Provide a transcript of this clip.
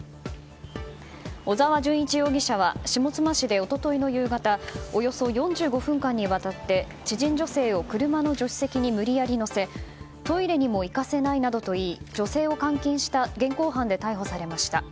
小沢純一容疑者は下妻市で一昨日の夕方およそ４５分間にわたって知人女性を車の助手席に無理やり乗せトイレにも行かせないなどと言い女性を監禁した現行犯で逮捕されました。